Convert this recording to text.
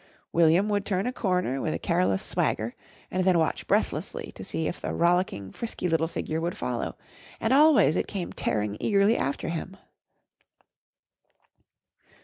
William would turn a corner with a careless swagger and then watch breathlessly to see if the rollicking, frisky little figure would follow, and always it came tearing eagerly after him.